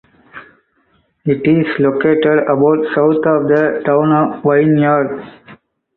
It is located about south of the town of Wynyard.